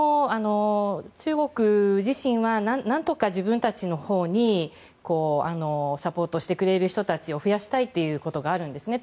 中国自身は何とか自分たちのほうにサポートしてくれる人たちを増やしたいということがあるんですね。